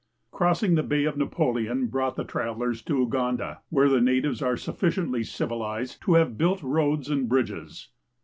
Crossing the Bay of Napoleon brought tiie travel ers to Uganda, where the natives are sulliciently civilized to iiave built roads and bridges.